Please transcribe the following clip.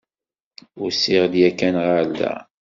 Usiɣ-d yakan ɣer da.